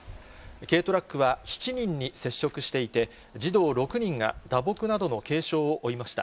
軽トラックは７人に接触していて、児童６人が打撲などの軽傷を負いました。